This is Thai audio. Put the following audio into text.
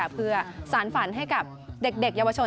เพื่อสารฝันให้กับเด็กเยาวชน